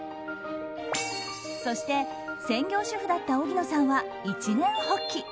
そして専業主婦だった荻野さんは一念発起。